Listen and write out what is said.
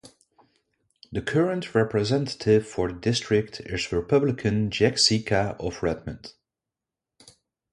The current representative for the district is Republican Jack Zika of Redmond.